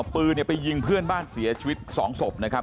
ปืนไปยิงเพื่อนบ้านเสียชีวิต๒ศพนะครับ